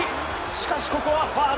しかしここはファウル！